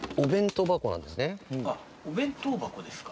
お弁当箱ですか。